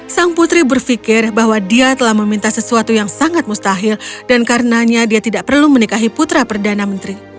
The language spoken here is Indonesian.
sang putri berpikir bahwa dia telah meminta sesuatu yang sangat mustahil dan karenanya dia tidak perlu menikahi putra perdana menteri